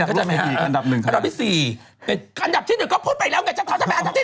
อันดับที่๑ก็พูดไปแล้วเหมือนจะขอตอบที่๑